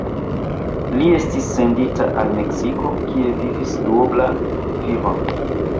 Li estis sendita al Meksiko, kie vivis duoblan vivon.